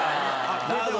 なるほど。